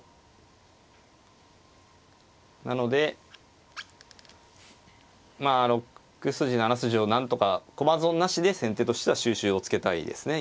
なので６筋７筋をなんとか駒損なしで先手としては収拾をつけたいですね。